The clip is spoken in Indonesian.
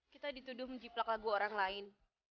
kita dituduh menjiplak lagu orang lain